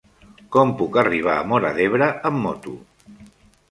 Com puc arribar a Móra d'Ebre amb moto?